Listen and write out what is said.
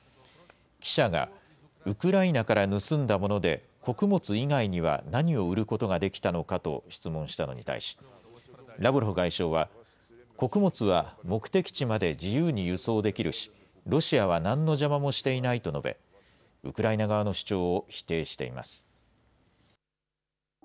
記者が、ウクライナから盗んだもので、穀物以外には何を売ることができたのかと質問したのに対し、ラブロフ外相は穀物は目的地まで自由に輸送できるし、ロシアはなんの邪魔もしていないと述べ、ウクライナ側の主張を否定しています。